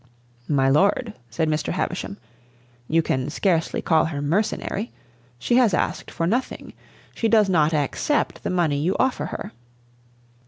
"My lord," said Mr. Havisham, "you can scarcely call her mercenary. She has asked for nothing. She does not accept the money you offer her."